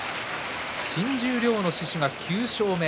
新十両の獅司が９勝目。